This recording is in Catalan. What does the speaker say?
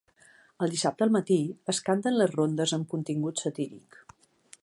El Dissabte al matí es canten les rondes amb contingut satíric.